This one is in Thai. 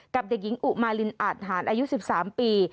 กับเด็กหญิงอุมารินอาทหารอายุ๑๓ปี